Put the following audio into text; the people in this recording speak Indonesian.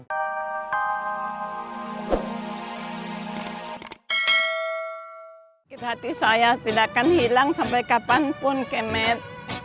sakit hati saya tidak akan hilang sampai kapanpun kemet